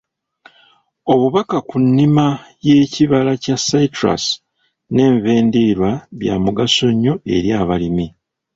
Obubaka ku nnima y'ekibala kya citrus n'enva endiirwa bya mugaso nnyo eri abalimi.